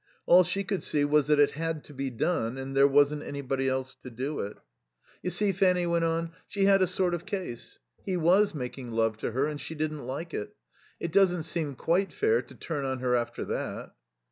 All she could see was that it had to be done and there wasn't anybody else to do it. "You see," Fanny went on, "she had a sort of case. He was making love to her and she didn't like it. It doesn't seem quite fair to turn on her after that."